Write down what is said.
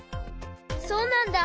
そうなんだ。